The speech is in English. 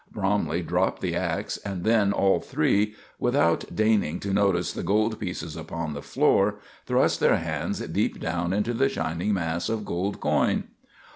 Bromley dropped the ax, and then all three, without deigning to notice the gold pieces upon the floor, thrust their hands deep down into the shining mass of gold coin.